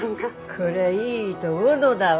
こりゃいいどごのだわ。